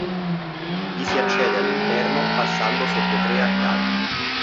Vi si accede all'interno passando sotto tre arcate.